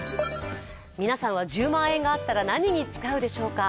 皆さんは１０万円があったら何に使うでしょうか。